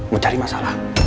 mau cari masalah